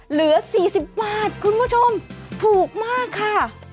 เหลือ๔๐บาทคุณผู้ชมถูกมากค่ะ